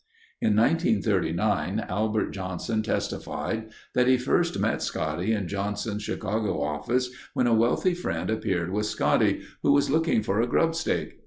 In 1939 Albert Johnson testified that he first met Scotty in Johnson's Chicago office when a wealthy friend appeared with Scotty, who was looking for a grubstake.